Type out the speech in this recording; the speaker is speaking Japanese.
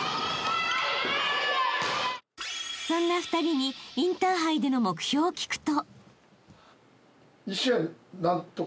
［そんな２人にインターハイでの目標を聞くと］